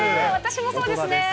私もそうですね。